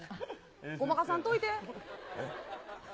ごまかさんといて。